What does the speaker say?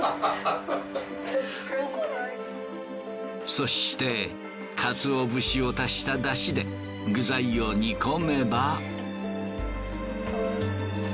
そして鰹節を足した出汁で具材を煮込めば。